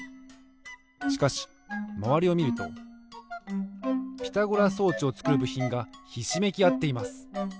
しかしまわりをみるとピタゴラ装置をつくるぶひんがひしめきあっています。